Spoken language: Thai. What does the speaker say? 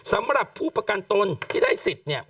สำหรับผู้ประกันตนที่ได้สิทธิ์เนี่ย